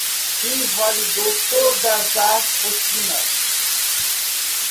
Invalidou todas as rotinas